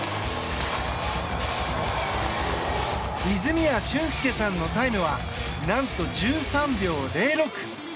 泉谷駿介さんのタイムは何と１３秒０６。